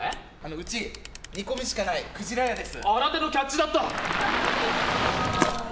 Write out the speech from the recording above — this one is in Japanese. うち煮込みしかないくじら屋です。